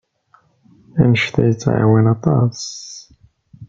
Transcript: Anect-a yettɛawan aṭas.